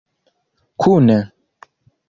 kune